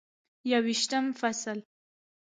یوویشتم فصل: